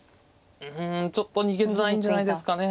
うんちょっと逃げづらいんじゃないですかね。